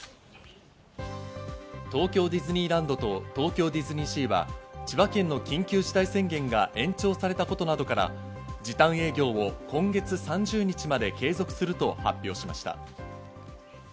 東京ディズニーランドと東京ディズニーシーは千葉県の緊急事態宣言が延長されたことなどから、時短営業を今月３０日まで継続すると発表しました。